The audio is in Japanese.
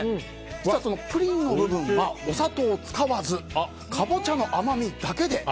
プリンの部分はお砂糖を使わずカボチャの甘みだけで。